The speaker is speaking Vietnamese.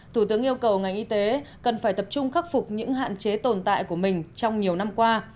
thủ tướng yêu cầu ngành y tế cần phải tập trung khắc phục những hạn chế tồn tại của mình trong nhiều năm qua